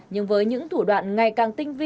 nhưng với những thủ đoạn ngày càng tinh vi